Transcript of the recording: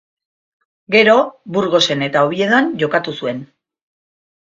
Gero, Burgosen eta Oviedon jokatu zuen.